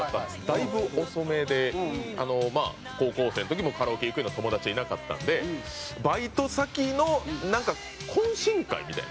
だいぶ遅めで高校生の時もカラオケ行くような友達はいなかったんでバイト先の懇親会みたいな。